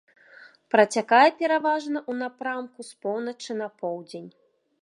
Працякае пераважна ў напрамку з поўначы на поўдзень.